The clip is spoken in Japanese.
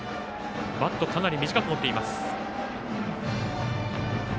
バットかなり短く持ってます。